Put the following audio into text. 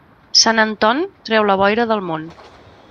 Sant Anton treu la boira del món.